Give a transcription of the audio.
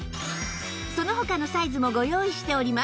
その他のサイズもご用意しております